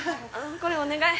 これお願い。